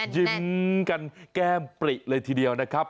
ยิ้มกันแก้มปริเลยทีเดียวนะครับ